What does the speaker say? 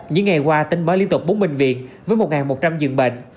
những ngày qua tính mới liên tục bốn bệnh viện với một một trăm linh dường bệnh